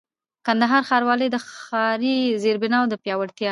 کندهار ښاروالۍ د ښاري زېربناوو د پياوړتيا